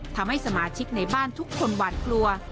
ทำให้สมาชิกในบ้านทุกคนหวาดกลัว